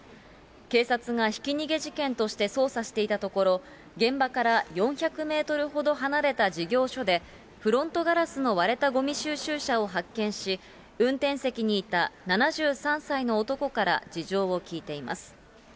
警察がひき逃げ事件として捜査していたところ、現場から４００メートルほど離れた事業所で、フロントガラスの割れたごみ収集車を発見し、運転席にいた７３歳の男から事情を聴いています。